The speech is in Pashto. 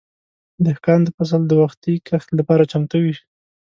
دهقان د فصل د وختي کښت لپاره چمتو وي.